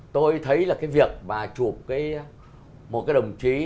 đấy là cái việc mà chụp một cái đồng chí